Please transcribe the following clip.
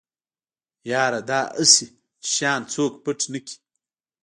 يره دا اسې چې شيان څوک پټ نکي.